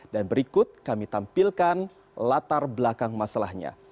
dan berikut kami tampilkan latar belakang masalahnya